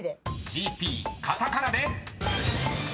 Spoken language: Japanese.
［「ＧＰ」カタカナで］